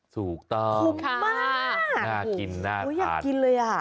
ถูกต้องคุ้มมากน่ากินน่าอยากกินเลยอ่ะ